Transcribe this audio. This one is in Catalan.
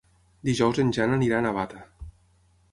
Dijous en Jan anirà a Navata.